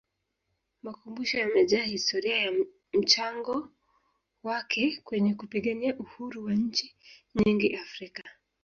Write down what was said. makumbusho yamejaa historia ya mchango wake kwenye kupigania Uhuru wa nchi nyingi africa